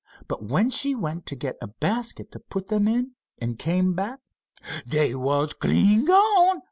"But when she went to get a basket to put them in, and came back " "Dey was clean gone!"